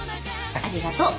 ありがとう。